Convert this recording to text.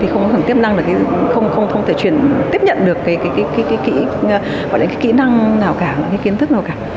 thì không có thể tiếp nhận được cái kỹ năng nào cả cái kiến thức nào cả